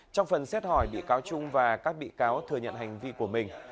trong phần xét hỏi bị cáo trung và các bị cáo thừa nhận hành vi của mình